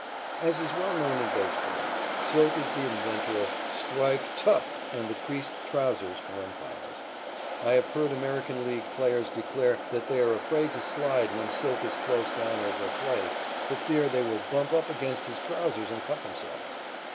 As is well known in baseball, "Silk" is the inventor of "Strike Tuh!" and the creased trousers for umpires. I have heard American League players declare that they are afraid to slide when "Silk" is close down over a play for fear they will bump up against his trousers and cut themselves.